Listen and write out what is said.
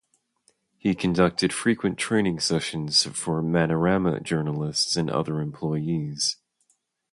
He conducted frequent training sessions for "Manorama" journalists and other employees.